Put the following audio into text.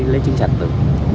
lấy trứng sạch được